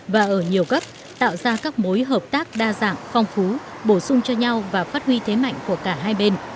và ở nhiều cấp tạo ra các mối hợp tác đa dạng phong phú bổ sung cho nhau và phát huy thế mạnh của cả hai bên